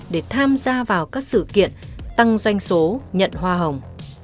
để tham gia vào các sự kiện tăng doanh số nhận hoa hồng